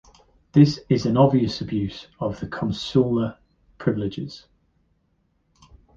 This is an obvious abuse of consular privileges.